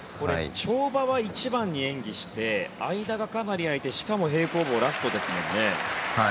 跳馬は１番に演技して間がかなり空いてしかも平行棒ラストですもんね。